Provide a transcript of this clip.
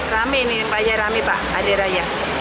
rame ini banyak rame pak ade raya